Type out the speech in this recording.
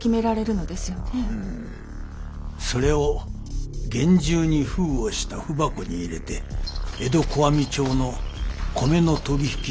それを厳重に封をした文箱に入れて江戸小網町の米の取引所に届ける。